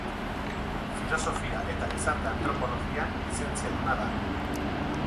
Filosofia eta Gizarte Antropologian lizentziaduna da.